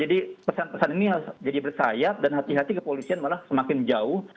jadi pesan pesan ini harus jadi bersayap dan hati hati kepolisian malah semakin jauh